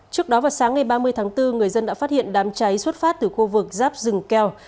trước đó vào sáng ngày ba mươi tháng bốn người dân đã phát hiện đám cháy xuất phát từ khu vực giáp rừng keo